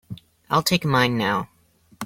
I'll take mine now.